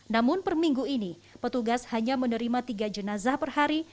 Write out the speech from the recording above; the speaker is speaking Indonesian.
namun per minggu ini petugas hanya menerima tiga jenazah per hari